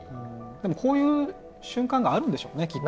でもこういう瞬間があるんでしょうねきっと。